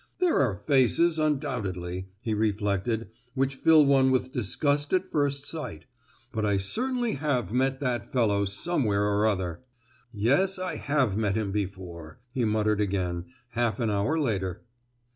"There are faces, undoubtedly," he reflected, "which fill one with disgust at first sight; but I certainly have met that fellow somewhere or other. "Yes, I have met him before!" he muttered again, half an hour later.